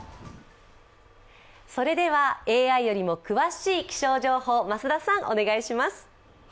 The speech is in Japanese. それではＡＩよりも詳しい気象情報、増田さんお願いします。